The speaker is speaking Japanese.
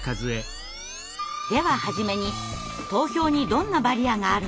では初めに投票にどんなバリアがあるのか？